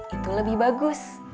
itu lebih bagus